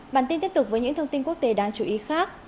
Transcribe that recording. bản tin tiếp tục với những thông tin quốc tế đáng chú ý khác